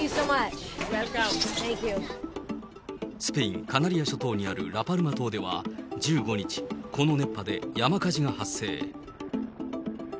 スペイン・カナリア諸島にあるラパルマ島では１５日、この熱波で山火事が発生。